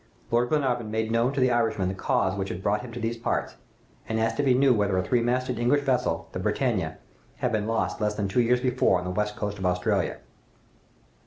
Lord Glenarvan made known to the Irishman the cause which had brought him to these parts, and asked if he knew whether a three masted English vessel, the 'Britannia,' had been lost less than two years before on the west coast of Australia.